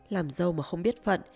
làm dâu mà không biết phận